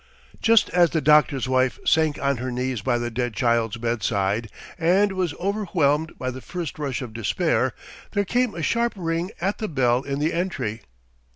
Just as the doctor's wife sank on her knees by the dead child's bedside and was overwhelmed by the first rush of despair there came a sharp ring at the bell in the entry.